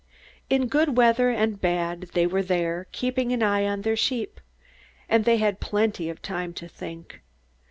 In good weather and bad they were there, keeping an eye on their sheep, and they had plenty of time to think.